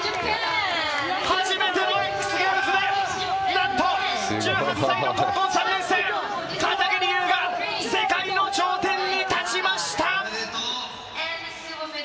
初めてのＸＧａｍｅｓで、なんと１８歳の高校３年生・片桐悠が世界の頂点に立ちました！